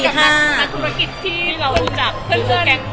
อยู่กับนักธุรกิจที่เราจากเพื่อน